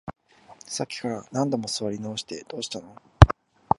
さっきから何度も座り直して、どうしたの？